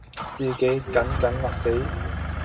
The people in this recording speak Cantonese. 自己緊緊勒死；